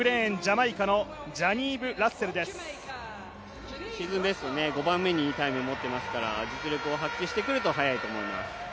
シーズンベスト、５番目にいいタイムを持っていますから実力を発揮してくると速いと思います。